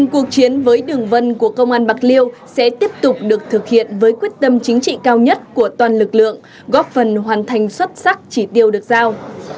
cuộc chiến với đường vân của công an bạc liêu sẽ tiếp tục được thực hiện với quyết tâm chính trị cao nhất của toàn lực lượng góp phần hoàn thành xuất sắc chỉ tiêu được giao